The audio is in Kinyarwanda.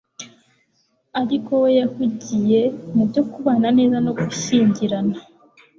ariko we yahugiye mu byo kubana neza no gushyingirana,